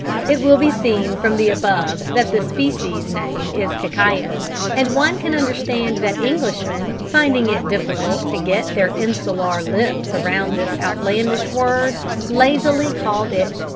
It will be seen from the above that the species name is cacao, and one can understand that Englishmen, finding it difficult to get their insular lips round this outlandish word, lazily called it cocoa.